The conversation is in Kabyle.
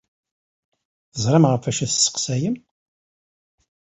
Teẓram ɣef wacu ay la tesseqsayem?